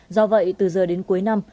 do vậy từ giờ đến cuối năm